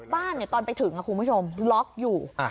ตอนไปถึงคุณผู้ชมล็อกอยู่